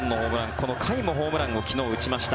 この甲斐もホームランを昨日、打ちました。